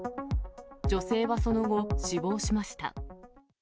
女性はその後、死亡しました。